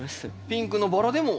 ピンクのバラでも。